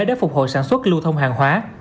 để phục hồi sản xuất lưu thông hàng hóa